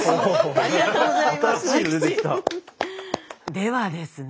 ではですね